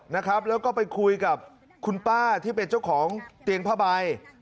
แล้วก็ไปคุยกับคุณป้าที่เป็นเจ้าของเตียงพระบัย